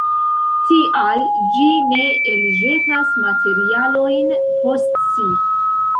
Tial ĝi ne elĵetas materialojn post si.